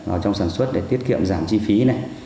ở trong sản xuất để tiết kiệm giảm chi phí này